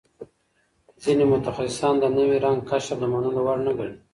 ځینې متخصصان د نوي رنګ کشف د منلو وړ نه ګڼي.